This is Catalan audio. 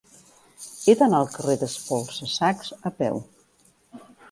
He d'anar al carrer d'Espolsa-sacs a peu.